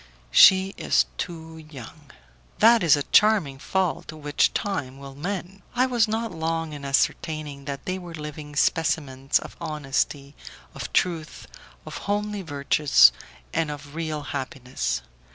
"She is too young." "That is a charming fault which time will mend." I was not long in ascertaining that they were living specimens of honesty, of truth, of homely virtues, and of real happiness.